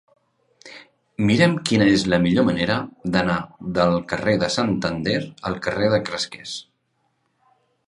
Mira'm quina és la millor manera d'anar del carrer de Santander al carrer dels Cresques.